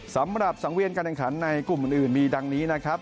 สำหรับสังเวียนการแข่งขันในกลุ่มอื่นมีดังนี้นะครับ